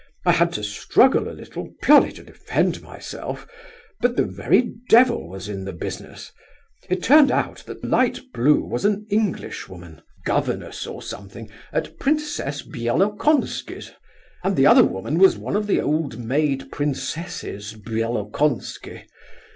I had to struggle a little, purely to defend myself; but the very devil was in the business. It turned out that 'light blue' was an Englishwoman, governess or something, at Princess Bielokonski's, and the other woman was one of the old maid princesses Bielokonski.